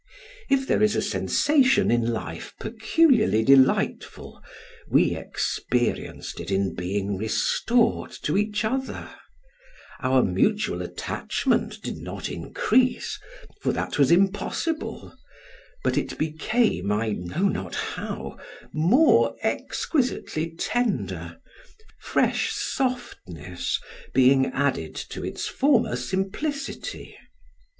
If there is a sensation in life peculiarly delightful, we experienced it in being restored to each other; our mutual attachment did not increase, for that was impossible, but it became, I know not how, more exquisitely tender, fresh softness being added to its former simplicity.